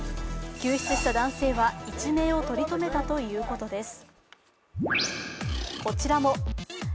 救出した男性は一命を取りとめたということです。